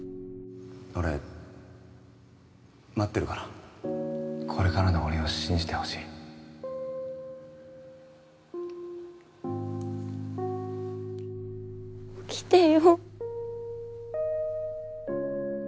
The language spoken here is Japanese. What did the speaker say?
俺待ってるからこれからの俺を信じてほしい起きてよ。